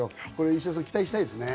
石田さん、期待したいですね。